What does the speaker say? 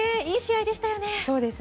いい試合でしたよね。